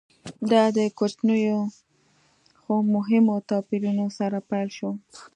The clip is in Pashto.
دا د کوچنیو خو مهمو توپیرونو سره پیل شوه